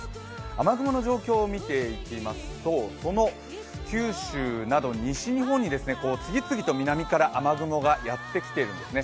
雨雲の状況を見ていきますと、その九州など西日本に次々と南から雨雲がやってきているんですね。